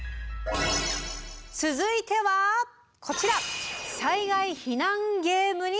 続いてはこちら！